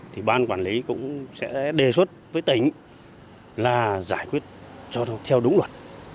thì ban quản lý cũng sẽ đề xuất với tỉnh là giải quyết cho theo đúng luật